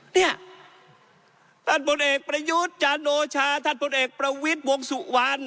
เนี่ยท่านพลเอกประยุทธ์จันโอชาท่านพลเอกประวิทย์วงสุวรรณ